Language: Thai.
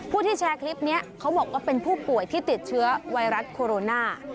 ที่แชร์คลิปนี้เขาบอกว่าเป็นผู้ป่วยที่ติดเชื้อไวรัสโคโรนา